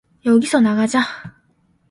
여기서 나가자!